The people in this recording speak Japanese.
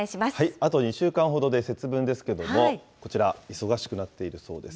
あと２週間ほどで節分ですけども、こちら、忙しくなっているそうです。